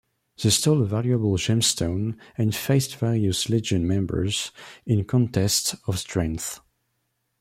They stole a valuable gemstone and faced various Legion members in contests of strength.